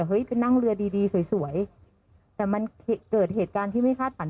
ไปนั่งเรือดีดีสวยแต่มันเกิดเหตุการณ์ที่ไม่คาดฝัน